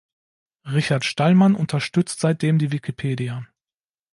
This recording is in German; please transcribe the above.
Richard Stallman unterstützt seitdem die Wikipedia.